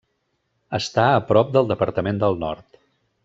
Està a prop del departament del Nord.